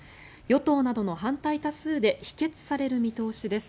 与党などの反対多数で否決される見通しです。